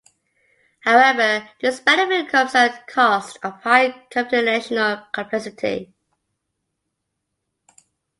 However, this benefit comes at the cost of high computational complexity.